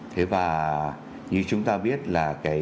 thế và như chúng ta biết là cái